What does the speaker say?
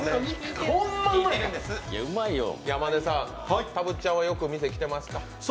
山根さん、たぶっちゃんはよく店、来てますか？